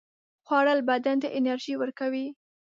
خوړل بدن ته انرژي ورکوي